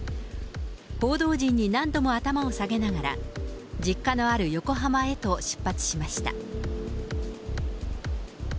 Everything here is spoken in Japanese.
報道陣に何度も頭を下げながら、実家のある横浜へと出発しました。